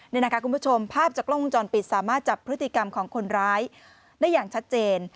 นี่นะคะคุณผู้ชมภาพจากกล้องวงจรปิดสามารถจับพฤติกรรมของคนร้ายได้อย่างชัดเจน